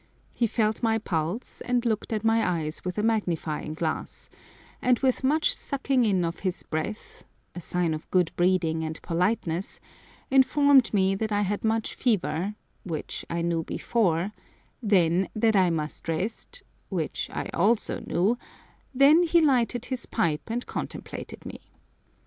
He felt my pulse and looked at my eyes with a magnifying glass, and with much sucking in of his breath—a sign of good breeding and politeness—informed me that I had much fever, which I knew before; then that I must rest, which I also knew; then he lighted his pipe and contemplated me.